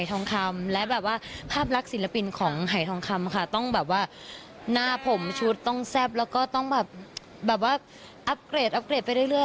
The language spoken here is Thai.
ต้องแบบว่าหน้าผมชุดต้องแซ่บแล้วก็ต้องแบบว่าอัพเกรดไปเรื่อย